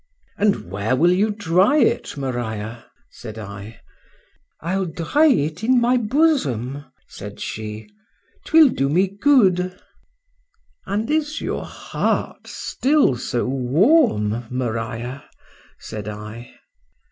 —And where will you dry it, Maria? said I.—I'll dry it in my bosom, said she:—'twill do me good. And is your heart still so warm, Maria? said I.